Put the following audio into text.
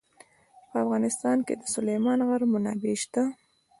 په افغانستان کې د سلیمان غر منابع شته.